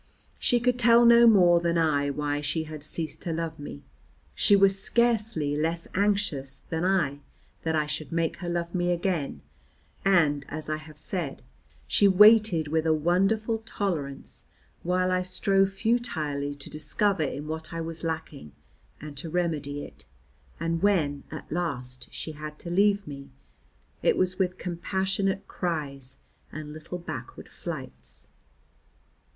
She could tell no more than I why she had ceased to love me; she was scarcely less anxious than I that I should make her love me again, and, as I have said, she waited with a wonderful tolerance while I strove futilely to discover in what I was lacking and to remedy it. And when, at last, she had to leave me, it was with compassionate cries and little backward flights.